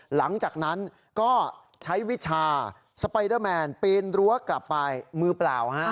หลังจากนั้นก็ใช้วิชาสไปเดอร์แมนปีนรั้วกลับไปมือเปล่า